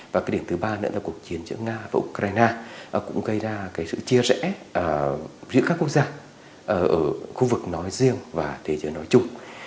và cái điểm thứ ba nữa là cuộc chiến giữa nga và ukraine cũng gây ra cái sự chia rẽ giữa các quốc gia ở khu vực nói riêng và thế giới nói chung